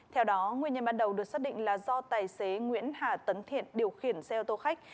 theo đó nguyên nhân ban đầu được xác định là do tài xế nguyễn hà tấn thiện điều khiển xe ô tô khách